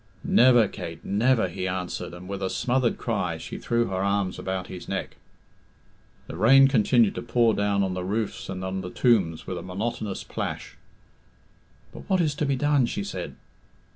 "Never, Kate, never," he answered; and with a smothered cry she threw her arms about his neck. The rain continued to pour down on the roofs and on the tombs with a monotonous plash. "But what is to be done?" she said.